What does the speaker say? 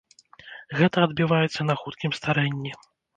Гэта адбіваецца на хуткім старэнні.